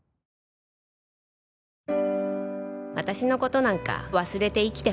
私の事なんか忘れて生きてほしい。